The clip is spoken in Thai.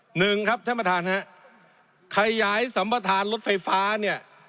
หนึ่งครับท่านประธานฮะขยายสัมประธานรถไฟฟ้าเนี่ย